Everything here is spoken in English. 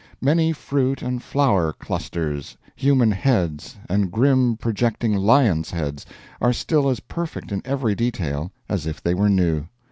Many fruit and flower clusters, human heads and grim projecting lions' heads are still as perfect in every detail as if they were new.